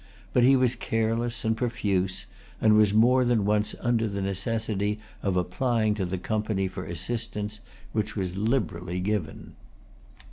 But he was careless and profuse, and was more than once under the necessity of applying to the Company for assistance, which was liberally given.